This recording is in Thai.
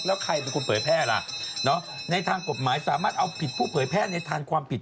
แล้วใครเป็นคนเผยแพร่ล่ะในทางกฎหมายสามารถเอาผิดผู้เผยแพร่ในทางความผิด